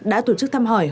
đã tổ chức thăm hỏi hỗ trợ